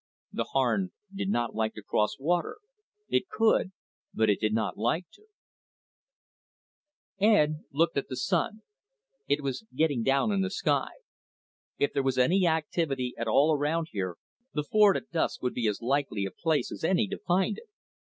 The Harn did not like to cross water, it could, but it did not like to. Ed looked at the sun. It was getting down in the sky. If there was any activity at all around here, the ford at dusk would be as likely a place as any to find it.